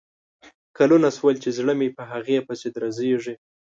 کلونه شول چې زړه مې په هغه پسې درزیږي